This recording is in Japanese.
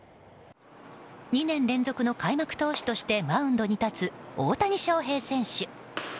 ２年連続の開幕投手としてマウンドに立つ大谷翔平選手。